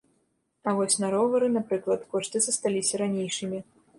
А вось на ровары, напрыклад, кошты засталіся ранейшымі.